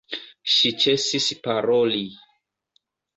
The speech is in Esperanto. Ŝi ĉesis paroli.